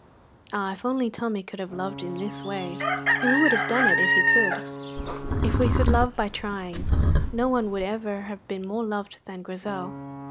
Ah, if only Tommy could have loved in this way! He would have done it if he could. If we could love by trying, no one would ever have been more loved than Grizel.